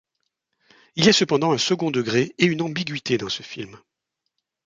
Il y a cependant un second degré et une ambiguïté dans ce film.